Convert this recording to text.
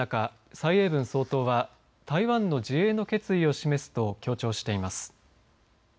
蔡英文総統は台湾の自衛の決意を示すと強調しています。